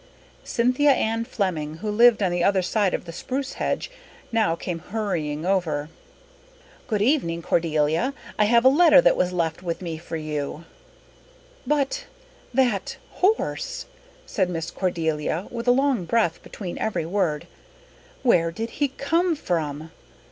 Cynthia Ann Flemming, who lived on the other side of the spruce hedge, now came hurrying over. "Good evening, Cordelia. I have a letter that was left with me for you." "But that horse," said Miss Cordelia, with a long breath between every word. "Where did he come from?